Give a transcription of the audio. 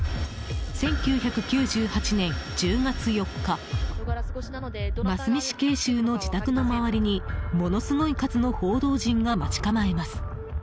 １９９８年１０月４日真須美死刑囚の自宅の周りにものすごい数の報道陣が待ち構えます。